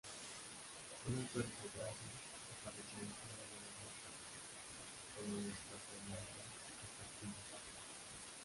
Con un cuerpo grácil, se parecían a un moderno caracal, con uñas parcialmente retráctiles.